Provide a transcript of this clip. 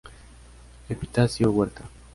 Epitacio Huerta.